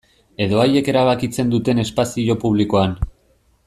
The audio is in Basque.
Edo haiek erabakitzen duten espazio publikoan.